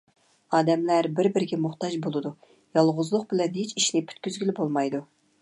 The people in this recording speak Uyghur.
ئادەملەر بىر - بىرىگە موھتاج بولىدۇ. يالغۇزلۇق بىلەن ھېچ ئىشنى پۈتكۈزگىلى بولمايدۇ.